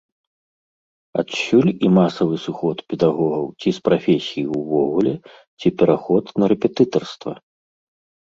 Адсюль і масавы сыход педагогаў ці з прафесіі ўвогуле, ці пераход на рэпетытарства.